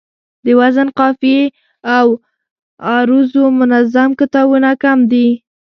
د وزن، قافیې او عروضو منظم کتابونه کم دي